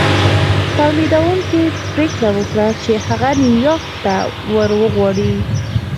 توليدوونکي پرېکړه وکړه چې هغه نيويارک ته ور وغواړي.